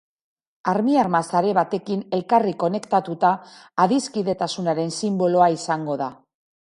Armiarma-sare batekin elkarri konektatuta, adiskidetasunaren sinboloa izango da.